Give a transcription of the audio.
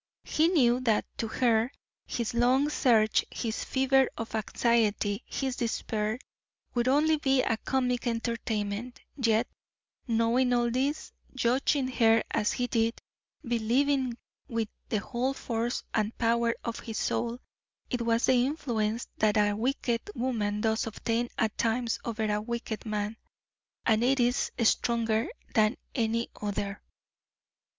He knew that to her his long search, his fever of anxiety, his despair, would only be a comic entertainment; yet, knowing all this, judging her as he did, believing her to be capable of almost anything, still he could not help loving her with the whole force and power of his soul; it was the influence that a wicked woman does obtain at times over a wicked man, and it is stronger than any other.